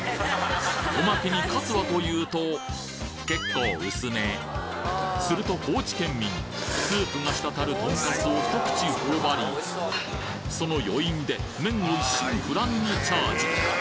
オマケにカツはというと結構薄めすると高知県民スープがしたたるトンカツを一口頬張りその余韻で麺を一心不乱にチャージ！